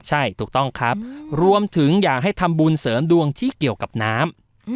ใช่ถูกต้องครับรวมถึงอยากให้ทำบุญเสริมดวงที่เกี่ยวกับน้ำ